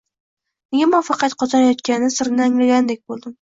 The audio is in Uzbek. Nega muvaffaqiyat qozonayotgani sirini anglagandek bo’ldim.